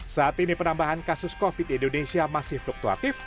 saat ini penambahan kasus covid di indonesia masih fluktuatif